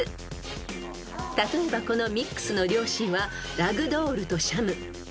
［例えばこのミックスの両親はラグドールとシャム］